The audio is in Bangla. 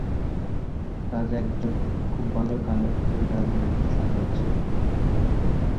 রাজা একজন খুব ভালো গায়ক, তবে গ্রামের একজন সাধারণ ছেলে।